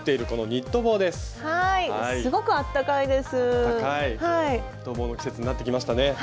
ニット帽の季節になってきましたね。